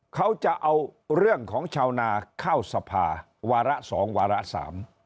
เขาจะเอาเรื่องของชาวนาเข้าสภาวาระสองวาระสาม